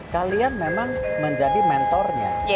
kalian memang menjadi mentornya